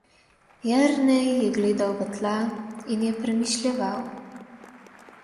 Jernej je gledal v tla in je premišljeval.